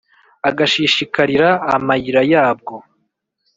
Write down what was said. agashishikarira amayira yabwo,